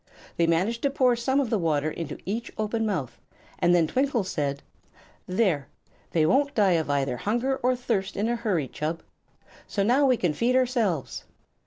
They managed to pour some of the water into each open mouth, and then Twinkle said: "There! they won't die of either hunger or thirst in a hurry, Chub. So now we can feed ourselves."